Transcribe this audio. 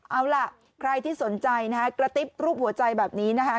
เอาล่ะใครที่สนใจนะฮะกระติ๊บรูปหัวใจแบบนี้นะคะ